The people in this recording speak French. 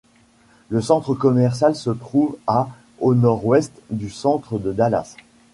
Le centre commercial se trouve à au nord-ouest du centre de Dallas.